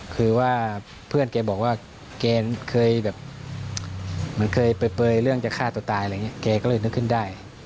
คือว่าเพื่อนแกบอกว่าแกเคยแบบเหมือนเคยเปลยเรื่องจะฆ่าตัวตายอะไรอย่างนี้แกก็เลยนึกขึ้นได้